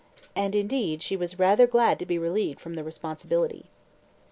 And, indeed, she was rather glad to be relieved from the responsibility.